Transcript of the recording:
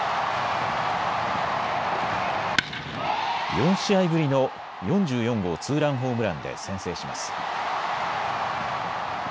４試合ぶりの４４号ツーランホームランで先制します。